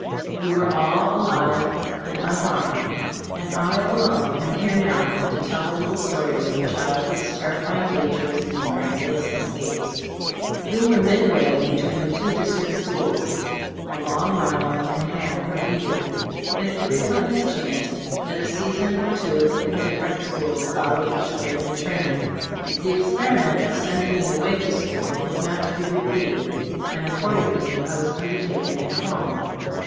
We were all alive and 9« tEbe Stor*of A* CMMood unharmed, and I alone am here now to tell the little stories of childhood's ter rifying dangers and miraculous es We were midway between the two district schools, a long mile and a half from either, and it frequently chanced that a season or two of indifferent schools followed each other in train. The experiment of sending me away to school was not to be repeated, and accordingly I was undertaken at home.